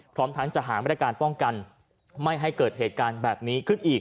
พร้อมทั้งจะหามาตรการป้องกันไม่ให้เกิดเหตุการณ์แบบนี้ขึ้นอีก